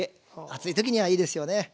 暑い時にはいいですよね。